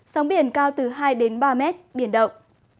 sóng biển cao từ hai ba m biển động